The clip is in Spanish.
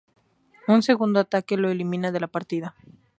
Un segundo ataque lo elimina de la partida.